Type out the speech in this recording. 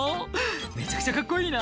「めちゃくちゃカッコいいな」